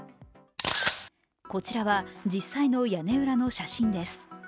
こちらは実際の屋根裏の写真です。